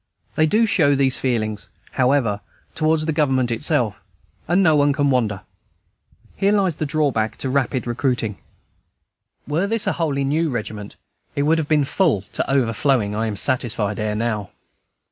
They do show these feelings, however, towards the Government itself; and no one can wonder. Here lies the drawback to rapid recruiting. Were this a wholly new regiment, it would have been full to overflowing, I am satisfied, ere now.